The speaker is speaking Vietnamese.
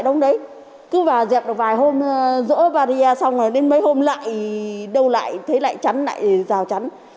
đó đúng đấy cứ vào dẹp được vài hôm rỡ và rìa xong rồi đến mấy hôm lại đâu lại thấy lại chắn lại rào chắn